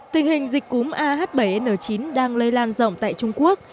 tình hình dịch cúm ah bảy n chín đang lây lan rộng tại trung quốc